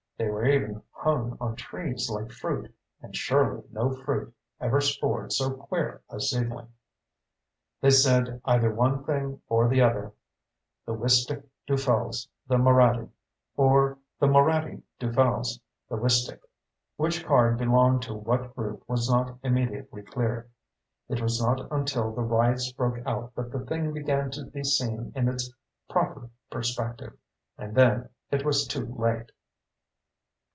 They were even hung on trees like fruit, and surely no fruit ever spored so queer a seedling. They said either one thing or the other: THE WISTICK DUFELS THE MORADDY, or THE MORADDY DUFELS THE WISTICK. Which card belonged to what group was not immediately clear. It was not until the riots broke out that the thing began to be seen in its proper perspective. And then it was too late.